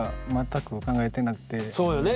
そうよね。